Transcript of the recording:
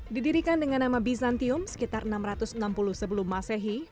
didirikan dengan nama bizantium sekitar enam ratus enam puluh sebelum masehi